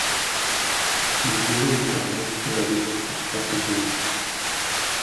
Le Zorro écarlate va devoir faire face au zombie...